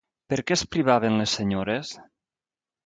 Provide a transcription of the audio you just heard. Per què es privaven les senyores?